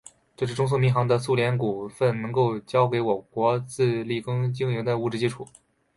这是中苏民航的苏联股份能够已交给我国自力经营的物质基础。